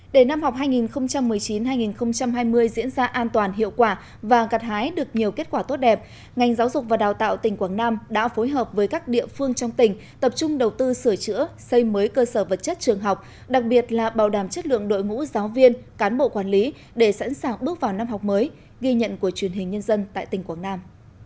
để năm học hai nghìn một mươi chín hai nghìn hai mươi diễn ra an toàn hiệu quả và gặt hái được nhiều kết quả tốt đẹp ngành giáo dục và đào tạo tỉnh quảng nam đã phối hợp với các địa phương trong tỉnh tập trung đầu tư sửa chữa xây mới cơ sở vật chất trường học đặc biệt là bảo đảm chất lượng đội ngũ giáo viên cán bộ quản lý để sẵn sàng bước vào năm học mới ghi nhận của truyền hình nhân dân tại tỉnh quảng nam